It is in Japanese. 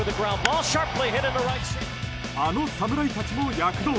あの侍たちも躍動！